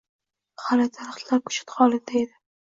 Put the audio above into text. Hali daraxtlar koʻchat holida edi.